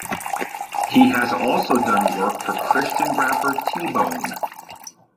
He has also done work for Christian rapper T-Bone.